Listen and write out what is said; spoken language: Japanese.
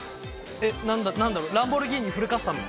何だろうランボルギーニフルカスタム。